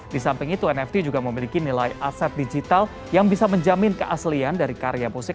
di samping itu nft juga memiliki nilai aset digital yang bisa menjamin keaslian dari karya musik